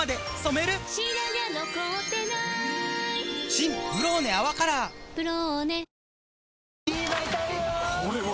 新「ブローネ泡カラー」「ブローネ」